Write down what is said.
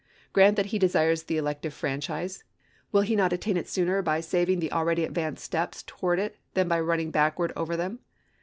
Grant that he desires the elective franchise, will he not attain it sooner by saving the already advanced steps towards it than by running backward over them!